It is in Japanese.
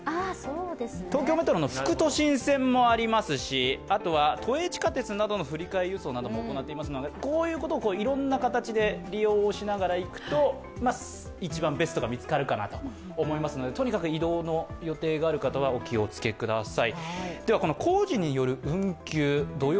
東京メトロの副都心線もありますし、都営地下鉄の振り替えもありますのでこういうことをいろんな形で利用しながら行くと一番ベストが見つかるかなと思いますのでとにかく移動の予定がある方はお気をつけください。